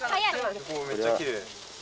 めっちゃきれい！